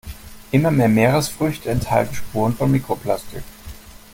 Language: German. Immer mehr Meeresfrüchte enthalten Spuren von Mikroplastik.